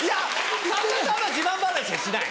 さんまさんは自慢話はしない！